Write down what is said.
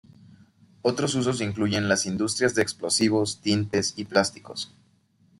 Otros usos incluyen las industrias de explosivos, tintes y plásticos.